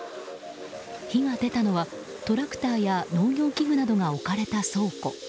火が出たのはトラクターや農業機具などが置かれた倉庫。